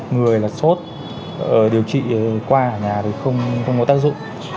người là sốt điều trị qua ở nhà thì không có tác dụng